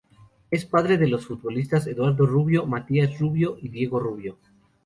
Es padre de los futbolistas Eduardo Rubio, Matías Rubio y Diego Rubio.